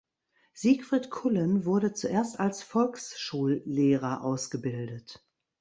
Siegfried Kullen wurde zuerst als Volksschullehrer ausgebildet.